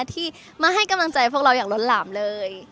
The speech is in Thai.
ที่มาให้กำลังใจพวกเราอย่างล้นหลามเลย